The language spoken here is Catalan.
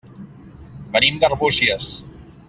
Venim d'Arbúcies.